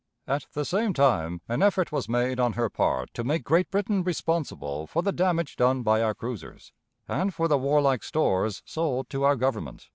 At the same time an effort was made on her part to make Great Britain responsible for the damage done by our cruisers, and for the warlike stores sold to our Government.